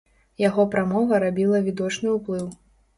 Яго прамова рабіла відочны ўплыў.